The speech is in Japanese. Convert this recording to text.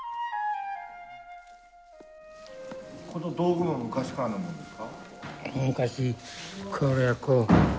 この道具も昔からのものですか？